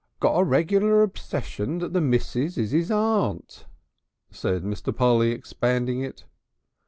"Got a regular obsession that the Missis is his Aunt," said Mr. Polly, expanding it.